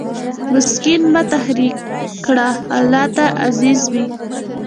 مسکین مه تحقیر کړه، الله ته عزیز وي.